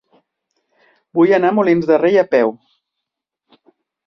Vull anar a Molins de Rei a peu.